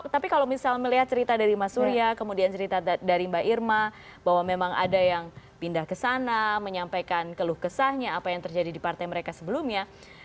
tapi kalau misal melihat cerita dari mas surya kemudian cerita dari mbak irma bahwa memang ada yang pindah ke sana menyampaikan keluh kesahnya apa yang terjadi di partai mereka sebelumnya